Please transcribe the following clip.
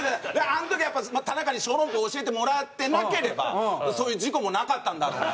あの時やっぱ田中に小籠包を教えてもらってなければそういう事故もなかったんだろうな。